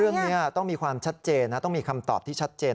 เรื่องนี้ต้องมีความชัดเจนนะต้องมีคำตอบที่ชัดเจน